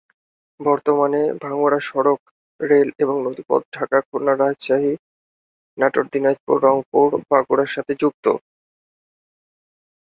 বর্তমানে ভাঙ্গুড়া সড়ক, রেল এবং নদীপথে ঢাকা-খুলনা-রাজশাহী-নাটোর-দিনাপজুর-রংপুর-বগুড়ার সাথে যুক্ত।